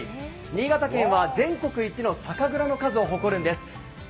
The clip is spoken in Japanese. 新潟県は全国一の酒蔵の数を誇るんです。